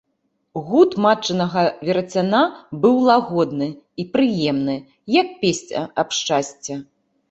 Гуд матчынага верацяна быў лагодны і прыемны, як песня аб шчасці.